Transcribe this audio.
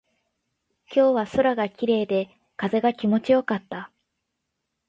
今日は空が綺麗で、風が気持ちよかった。